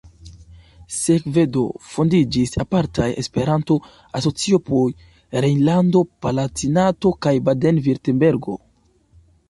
Sekve do fondiĝis apartaj Esperanto-asocioj por Rejnlando-Palatinato kaj Baden-Virtembergo.